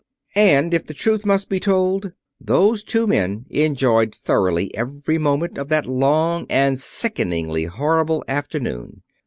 And, if the truth must be told, those two men enjoyed thoroughly every moment of that long and sickeningly horrible afternoon.